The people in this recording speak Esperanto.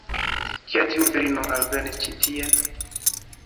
Kiel tiu virino alvenis ĉi-tien?